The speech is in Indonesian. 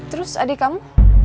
terus adik kamu